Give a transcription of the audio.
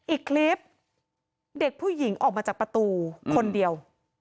อีกคลิปเด็กผู้หญิงออกมาจากประตูคนเดียว